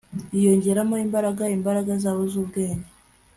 yiyongeramo imbaraga Imbaraga zabo zubwenge